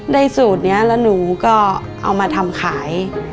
สูตรนี้แล้วหนูก็เอามาทำขาย